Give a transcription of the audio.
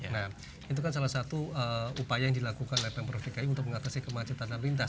nah itu kan salah satu upaya yang dilakukan oleh pemprov dki untuk mengatasi kemacetan lalu lintas